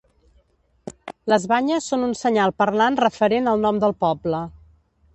Les banyes són un senyal parlant referent al nom del poble.